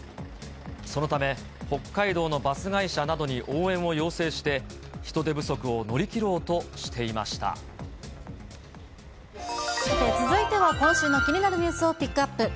そのため、北海道のバス会社などに応援を要請して、人手不足を乗り切ろうとさて、続いては今週の気になるニュースをピックアップ。